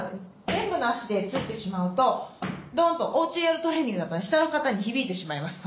全部の足でついてしまうとドンとおうちでやるトレーニングだったら下の方に響いてしまいますので。